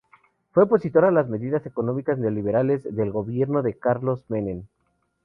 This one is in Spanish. Fue opositor a las medidas económicas neoliberales del gobierno de Carlos Menem.